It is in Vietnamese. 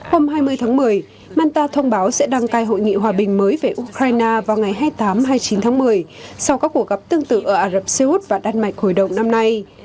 hôm hai mươi tháng một mươi manta thông báo sẽ đăng cai hội nghị hòa bình mới về ukraine vào ngày hai mươi tám hai mươi chín tháng một mươi sau các cuộc gặp tương tự ở ả rập xê út và đan mạch hồi đầu năm nay